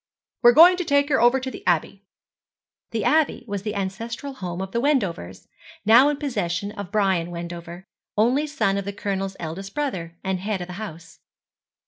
'We're going to take her over to the Abbey.' The Abbey was the ancestral home of the Wendovers, now in possession of Brian Wendover, only son of the Colonel's eldest brother, and head of the house.